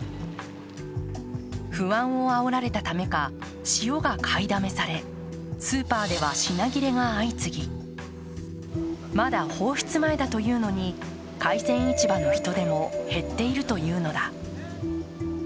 不安をあおられたためか塩が買いだめされスーパーでは品切れが相次ぎまだ放出前だというのに海鮮市場の人出も減っているというのだ。